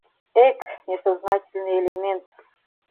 Эк, несознательный элемент.